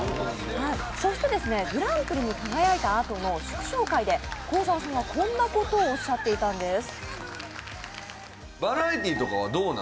そして、グランプリに輝いたあとの祝勝会で幸澤さんはこんなことをおっしゃっていたんです。